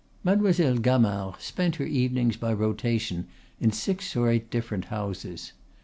Mademoiselle Gamard spent her evenings by rotation in six or eight different houses.